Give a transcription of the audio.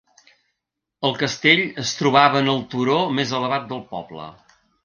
El castell es trobava en el turó més elevat del poble.